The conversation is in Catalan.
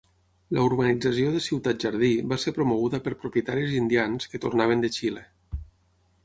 La urbanització de ciutat-jardí va ser promoguda per propietaris indians que tornaven de Xile.